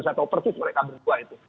saya tahu persis mereka berdua itu